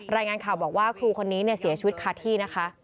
รายงานข่าวบอกว่าครูคนนี้เสียชีวิตคาที่นะคะ